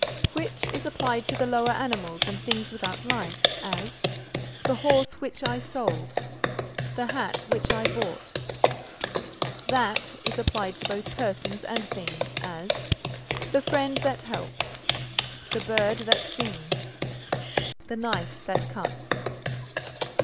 Which is applied to the lower animals and things without life; as, "The horse which I sold." "The hat which I bought." That is applied to both persons and things; as, "The friend that helps." "The bird that sings." "The knife that cuts."